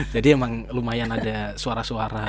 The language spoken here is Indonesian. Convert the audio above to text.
jadi emang lumayan ada suara suara